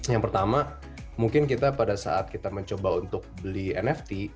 yang pertama mungkin kita pada saat kita mencoba untuk beli nft